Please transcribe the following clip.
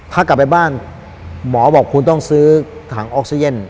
ถ้ากลับไปบ้านหมอบอกคุณต้องซื้อถังออกซิเจน